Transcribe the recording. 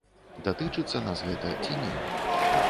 Датычыцца нас гэта ці не?